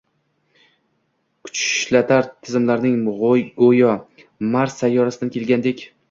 kuchishlatar tizimlarimiz go‘yo Mars sayyorasdan kelgandek.